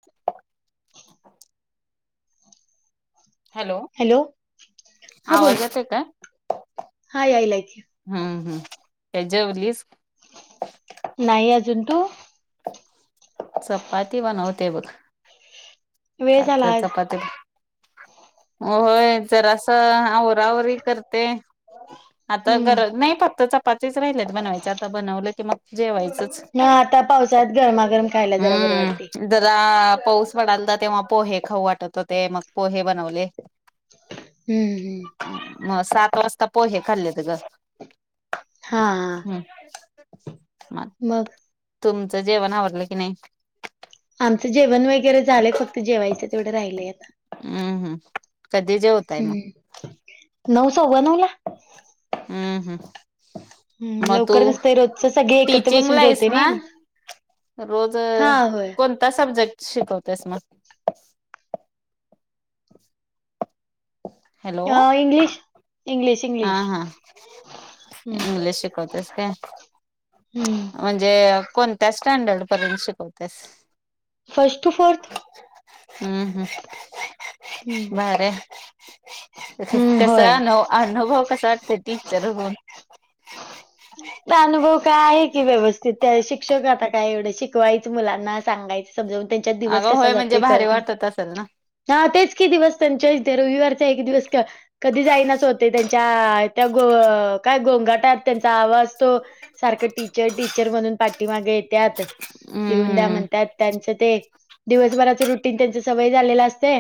मय [unintelligible] हॅलो हा बोल आवाज य की आहे काय? हा यायलाय की हम्म काय जेवलीस? नाही आजून. तुम्ही? चपाती बनवते बघ. वेळ झाला आता आज चपाती, होय जरासं आवराआवरी करते. आता हम्म गरज नाही फक्त चपाचेच राहिल्यात बनवायचे आता बनवलं की मग जेवायचं‌. हा आता पावसाळ्यात गरमा-गरम खायला जरा बरं वाटतय. पडलता तेव्हा पोहे खाऊ वाटत होते मग पोहे बनवले. हम्म, हम्म. मग सात वाजता पोहे खाल्ले तर ग. हा हा हम्म. मग, तुमचं जेवण आवरलं की नाही? आमचं जेवण वगैरे झालंय फक्त जेवायचं तेवढं राहिलय आता हम्म हम्म. कधी जेवताय मग? हम्म. नऊ- सव्वानऊला. हम्म, हम्म. हम्, मग तू लवकर नसतय रोजच सगळे एकत्र बसून टीचिंगला आहेस जेवतोय ना? नयी. रोज, कोणता सब्जेक्ट शिकवतेस मग? हॅलो अ, इंग्लिश. इंग्लिश हा, इंग्लिश हा हम्म इंग्लिश शिकवतेस काय. हम्म. म्हणजे कोणत्या स्टँडर्ड पर्यंत शिकवतेस? First to fourth. हम्म, हम्म हम्म भारी हाय. हम्म कसा होय अनु, अनुभव कसा वाटत टीचर हुन. अनुभव काय, आहे की व्यवस्थित शिक्षक आता काय एवढं शिकवायचं मुलांना सांगायचं. समजून. त्यांच्यात दिवस अगं कसा होय म्हणजे जातोय भारी कळत नाही. वाटत असेल ना? हा तेच कि दिवस, त्यांच्याच ते रविवारचा एक दिवस क कधी जाईन असं होतय. त्यांच्या त्या गो काय गोंगाटात त्यांचा आवाज तो सारख टीचर, टीचर म्हणून पाठीमागे त्यातच, लिहून द्या हम्म म्हणत्यात त्यांच ते दिवसभराच रुटीन त्यचंच सवय झालेल असतय.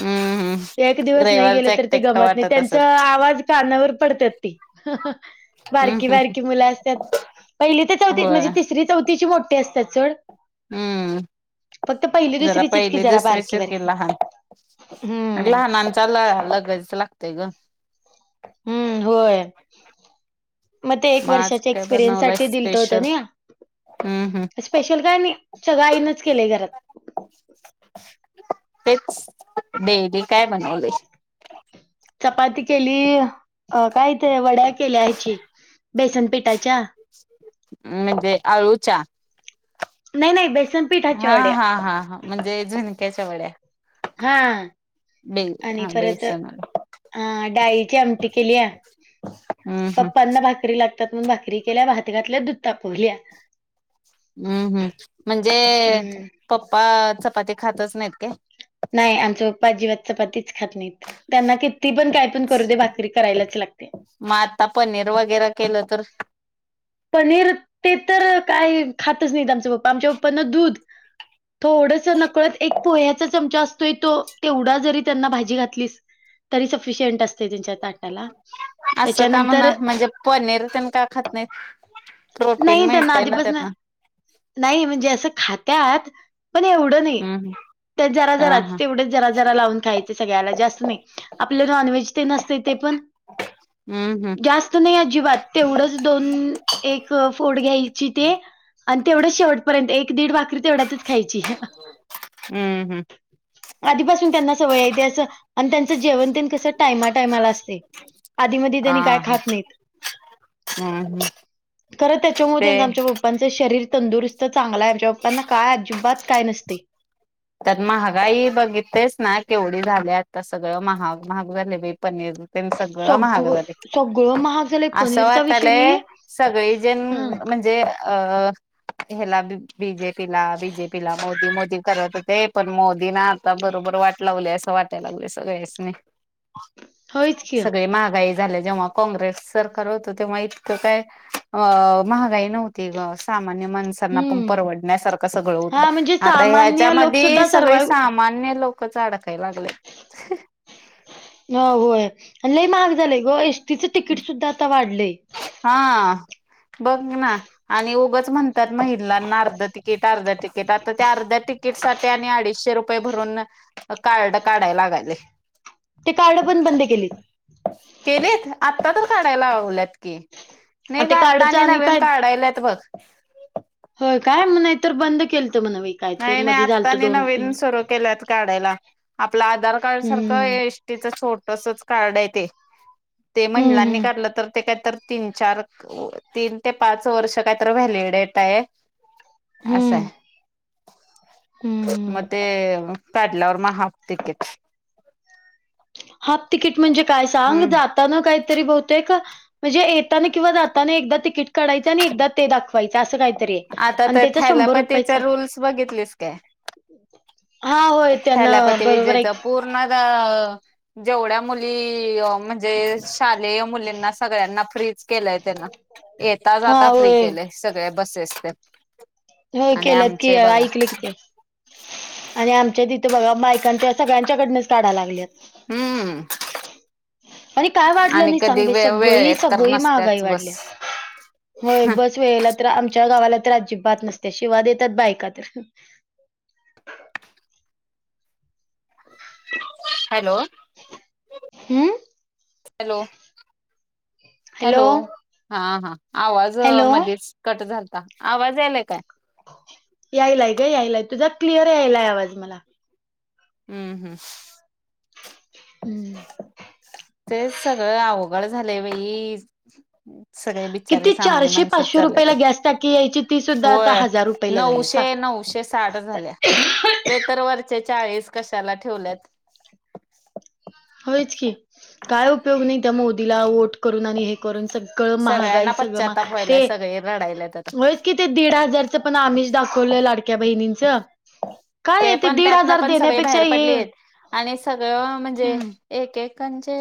हम्म एक हम्म दिवस नाही रविवारच गेले तर एकटं ते एकटं गमत नाही. वाटत असेल? त्यांचा आवाज कानावर पडत्यात ती हम्म बारकी, बारकी हम्म असत्यात, पहिली तर चौथी होय म्हणजे तिसरी चौथीची मोठी असत्यात सोड. हम्म फक्त पहिली, जरा दुसरीचच की पहिली जरा दुसरी बारकी शिकेल -बारखी. लहान. लहानांचा लळा लगायच लागतेय ग. हम्म होय. मग ते एक आज वर्षाच्या काय एक्सपिरियन्स बनवलाय साठी दिलंत हो स्पेशल? त्यांनी. हम्म, हम्म. स्पेशल काय नाही, सगळं आईनच केलंय घरात. तेच बेबी काय बनवलय. चपाती केली, अ काय ते वड्या केल्या ह्याची बेसनपीठाच्या. म्हणजे आळुच्या? नाही, नाही बेस हा, हा, हा म्हणजे झुणक्याच्या वड्या. हा. बे आणि हा परत बेसन आ, डाळीची आमटी केलीया. हम्म हम्म पप्पांना भाकरी लागतात म्हणन भाकरी केल्या भात घातली दुध तापवलीया. हम्म, हम्म म्हणजे हम्म पप्पा चपाती खातच नाहीत काय? नाही, आमच पप्पा अजिबात चपातीच खात नाहीत. त्यांना किती पण काय पण करू दे, भाकरी करायलाच लागते. मग आता पनीर वगैरे केलं तर, पनीर ते तर काय खातच नाहीत आमचं पप्पा आमच्या पप्पांना दूध, थोडस नकळत एक पोह्याचा चमचा अस तेवढा जरी त्यांना भाजी घातलीस तरी सफिशंट असते त्यांच्यात. ताटाला असं का त्याच्यानंतर, म्हणा म्हणजे पनीर तेन का खात नाहीत? प्रोटीन नाही त्यांना मिळतेय ना आधीपासन त्यातनं नाही म्हणजे असं खात्यात, पण एवढं नाही. हम्म हम्म त्या जरा हा जराच हा तेवढेच जरा जरा लावून खायचे सगळ्याला जास्त नाही. आपलं नॉनव्हेज तेन असतय ते पण, हम् हम्. जास्त नाही अजिबात तेवढंच दोन एक फोड घ्यायची ते आणि तेवढंच शेवटपर्यंत एक दीड भाकरी तेवढ्याच खायची. हम्म हम्म. आधीपासून त्यांना सवय आहे ते असं आणि त्यांचं जेवण ते कसं टायमा टायमाला असतय. कधीमधी हा त्यांनी काय हा खात नाहीत. हम्म हम्. खरं त्याच्यामुळे आमच्या पप्पांचं शरीर तंदुरुस्त चांगला आहे आमच्या पप्पांना काय, अजिबात काय नसतय. त्यात महागाई बघिततेच ना केवढी झालीय! आता सगळं महाग महाग झालेय बाई पनीर. ते सगळं महाग झालय. सगळं महाग झालंय असं पनीरचा विषय वाटतालेय नाहीये सगळे जन हा म्हणजे, अ ह्याला बीजेपीला बीजेपीला मोदी मोदी करत होते. पण मोदीनं आता बरोबर वाट लावलीय असं वाटायला लागलय सगळ्यासनी. होयच की सगळे महागाई झाले जेव्हा काँग्रेस सरकार होतं तेव्हा इतकं काय, अ महागाई नव्हती ग सामान्य माणस त्यांना पण हम्म परवडण्यासारखं सगळं होतं. हा म्हणजे आता याच्या सामान्य लोक मध्ये सुद्धा सगळी सर्वाइव्ह सामान्य लोकच अडकाय लागलेत. हो होय आणि लय महाग झालंय ग, एसटीचं तिकीट सुद्धा आता वाढलंय. हा बघ ना आणि उगंच म्हणतात महिलांना अर्ध तिकीट, अर्ध तिकट. तिकट आता त्या अर्ध्या तिकीटसाठी आणि अडीचशे रुपये भरून कार्ड काढायला लागालय. ते कार्ड पण बंद केलीत. ते व्ही? आत्ता तर काढाय लावल्यात की, नाही ग ते आत्ता कार्डच आणि नवीन काय काढल्यात बघ. होय काय? नाहीतर बंद केलतं म्हणं बाई काय तर नाही नाही मधी झालत आत्तानी दोन तीन नवीन सुरू केल्यात. काढायला आपलं आधार कार्ड सारखं ए हम्म एसटीच छोटसचं कार्ड आहे ते. ते महिलांनी हम्म काढलं तर ते काहीतर तीन, चार, तीन ते पाच वर्ष काहीत व्हॅलिडेडेट आहे. असाय. हम्म मग हम्म ते काढल्यावर मग हाफ तिकीट. हाफ तिकीट म्हणजे काय सांग हम्म जाताना काहीतरी बहुतेक म्हणजे येताना किंवा जाताना एकदा तिकीट काढायचं आणि एकदा ते दाखवायच असं काहीतरी आहे आता आणि तर त्याच शंभर रुपयाच थॅलापतीचा रूल्स बघितलीस काय? हा होय त्यांन बरोबर एक नगव जेवढ्या मुली म्हणजे शालेय मुलींना सगळ्यांना फ्रीच केलंय त्यांना. येता हा जाता फ्री होय केले सगळे बसेस ते व्हय आणि केल्यात की आमचे बघा ऐकलं कि ते आणि आमच्या तिथं बघा बायकांच्या सगळ्यांच्याकडनच काढा लागल्यात हम्म आणि काय वाढलं आणि नाही सांग कधी ब वे सगळी वेळेत तर सगळी महागाई नसत्याच बस. वाढली. होय बस वेळेला तर आमच्या गावाला तर अजिबात नसते शिवाद येतात बायका तर हॅलो हॅलो ह हॅलो हा हा आवाज हॅलो मध्येच कट झालता आवाज यालाय काय? यायलाय ग यायलाय तुझा क्लिअर यायलाय आवाज मला हम्म हम्म हम्म तेच सगळं अवघड झालंय बाई. सगळे बिचारे किती सामान्य चारशे माणसात पाचशे चालले ते रुपयाला गॅस टाकी यायची ती सुद्धा आता होय. हजार रुपयाला झाली सांग नऊशे नऊशे साठ झाल्या ते तर वरचे चाळीस कशाला ठेवल्यात. होयच की काय उपयोग नाही त्या मोदीला वोट करून आणि हे करून सगळ कळ महागाई सगळ्यांना सगळं म पश्चाताप व्हायलाय ते सगळे रडायलात आता वळ कि ते दीड हजारचं पण आमीस दाखवलं लाडक्या बहिणीचं काय आहे ते पण दीड त्यातन हजार पण सगळे देण्यापेक्षा बाहेर हे पडलेत आणि सगळं म्हणजे हम्म एकेकांचे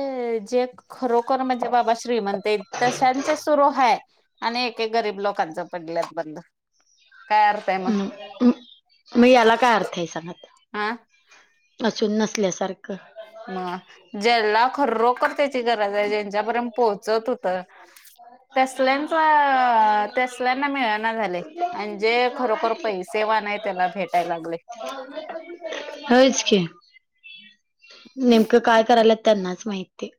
जे खरोखर म्हणजे बाबा श्रीमंत आहे. ते तशांचे सुरू हाय आणि एके गरीब लोकांच पडल्यात बंद. काय अर्थ आहे मग हम् मग याला काय अर्थ आहे सांग आता. हा असून नसल्यासारखं. म ज्याला खरोखर त्याची गरज आहे ज्यांच्यापर्यंत पोहोचत होत. तसल्यांच तसल्यांना मिळना झाले. म्हणजे खरोखर पैसे वान हाय त्याला भेटायला लागले. होयच की, नेमकं काय करायला त्यांनाच माहीत की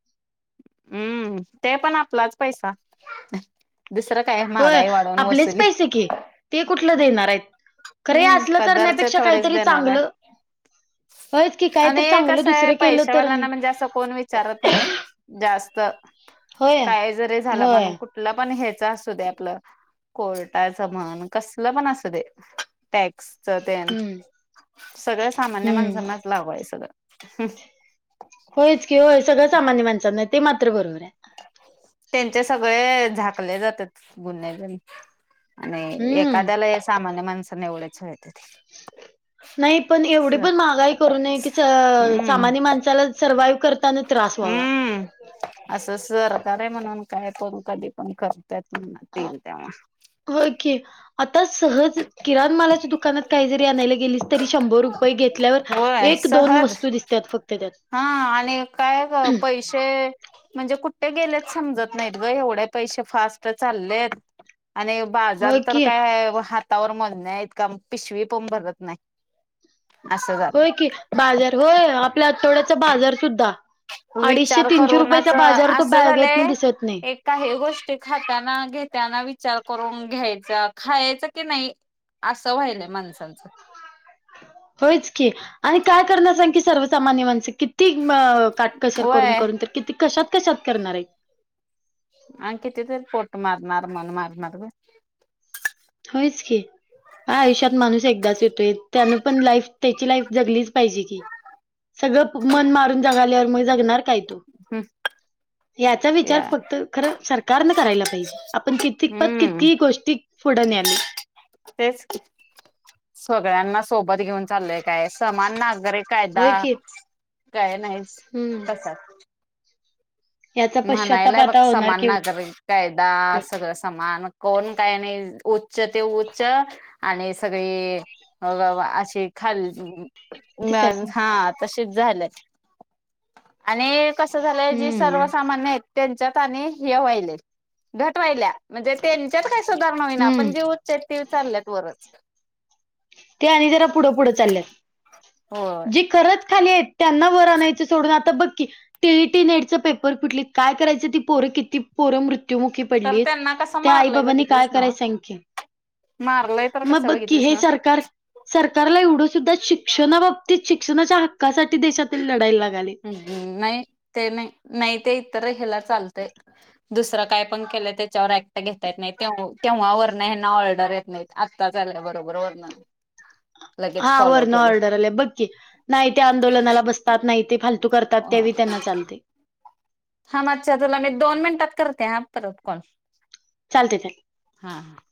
हम्म ते पण आपलाच पैसा दुसरं काय होय महागाई वाढवून आपलेच वसुली. पैसे की ते कुठलं देणार आहे. हम्म पदारचे थोडेच देणार आहे. चांगलं होयच की आणि काहीतरी एक चांगलं कसं आहे दुसरं केलं तर आणि पैशावालांना म्हणजे असं कोण विचारत नाही. जास्त होय काय जरी झालं होय. म्हण कुठ आपलं पण ह्याच असू दे आपलं कोर्टाचं म्हण कसल पण असू दे. टॅक्सच ते हम्म सगळ्या सामान्य हम्म माणसांना लागू हाय सगळं. होयच कि होय सगळं सामान्य माणसांना ते मात्र बरोबर आहे. त्यांचे सगळे झाकले जातात गुन्ह्या गारी. आणि हम्म एखाद्याला या सामान्य माणसाने एवढ्याचते ते. नाही पण एवढी पण महागाई करू नये की हम्म सामान्य माणसाला सर्वाइव्ह करताना त्रास व्हावा. हम्म असं सरकार आहे म्हणून काय करण कधी पण करतात म्हणतील तेव्हा. होय की. आता सहज किराणमालाच्या दुकानात काही जरी आणायला गेलीस तरी शंभर रुपये घेतल्यावर होय एक -दोन सहज वस्तू दिसतात फक्त त्यात आणि काय ग.. पै ते.. म्हणजे कुठे गेलेच समजत नाहीत ग एवढे पैसे फास्ट चाललेत. आणि बाजार होय तर की काय हातावर म्हण्या इतका पिशवी पण भरत नाही़ होय की बाजार होय आपल्या आठवड्याचा बाजार सुद्धा अडीचशे विचार -तीनशे रुपयाचा करूनच बाजार तो असं बॅगतन नाही झालंय दिसत नाही. एक काही गोष्टी खाताना, घेताना विचार करून घ्यायचा खायच की नाही. असं व्हायलय माणसांचं. होयच की आणि काय करण्या सां की सर्वसामान्य माणस की ती अ.. काटकसर करून- वय करून तर किती कशात -कशात करणार आहे. आणि किती तरी पोट मारणार, मन मारणार ग.. होयच की, हा.. आयुष्यात माणूस एकदाच येतोय त्यानं पण लाईफ त्याची लाईफ जगलीच पाहिजे की, सगळं मन मारून जगाल्यावर मग जगणार काय याचा विचार या फक्त.. खरं सरकारन करायला पाहिजे. आपण किती पत हम्म कितीही गोष्टी पुढं न्यायलोय. तेच की.. सगळ्यांना सोबत घेऊन चाललंय काय समान नागरिक कायदा.... होय की काय नाहीच, हम्म तसाच याचा म्हणायला पश्चाताप आहे आता बघ होणार समान किंवा नागरिक कायदा.. सगळं समान कोण काय नाही, उच्च ते उच्च आणि सगळे व.. असशी खाल [inaudible] सर हा.. तशीच झालंय आणि कस झालंय जी हम्म सर्वच मानेत त्यांच्यात आणि हे व्हायलेत. घट व्हायल्यात म्हणजे त्यांच्यात काही सुधारणा होईना आपण हम्म जे उच्च आहेत ते चालल्यात वरच. ते आणि जरा पुढं -पुढ चाललेत, होय जी खरंच खाली आहेत. त्यांना वर आणायचं सोडून आता बघ की टी. ई नेटच पेपर फुटली, काय करायचं ती पोरं किती पोरं मृत्युमुखी तर पडलीत, त्यांना कसं त्या आई मारलंय -बाबानी काय बघितलीस ना करायच सांग की? मारलंय तर मग कसं बघ की बघितलीस हे ना सरकार सरकारला एवढं सुद्धा शिक्षणाबाबतीत शिक्षणाच्या हक्कासाठी देशातील लढाय लागलय. ह्.. नाही ते नाही... नाही ते इतर ह्याला चालतयं. दुसरं काय पण केलं त्याच्यावर ऍक्ट घेता येत नाही, तेव्हा.. तेव्हा ह्याना ऑर्डर येत नाही. आता चाललं बरोबर वरन हा.. वरणं ऑर्डर आले बघ कि नाही ते आंदोलनाला बसतात नाही ते फालतू करतात ते बी त्यांना चालतंय. हा मच्छा तुला मी दोन मिनिटात करते ह परत कॉल. चालतंय- चालतंय हा.. आ...